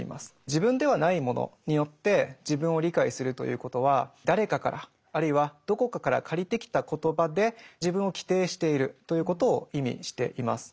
自分ではないものによって自分を理解するということは誰かからあるいはどこかから借りてきた言葉で自分を規定しているということを意味しています。